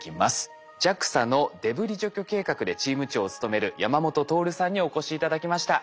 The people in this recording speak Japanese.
ＪＡＸＡのデブリ除去計画でチーム長を務める山元透さんにお越し頂きました。